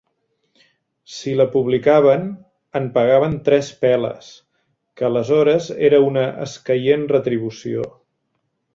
Si la publicaven, en pagaven tres peles, que aleshores era una escaient retribució”.